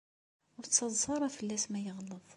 Ur ttaḍsa ara fell-as ma yeɣleḍ.